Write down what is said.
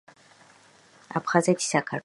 აფხაზეთი საქართველოა